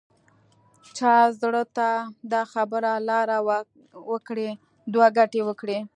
چا زړه ته دا خبره لاره وکړي دوه ګټې وکړي.